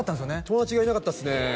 友達がいなかったっすね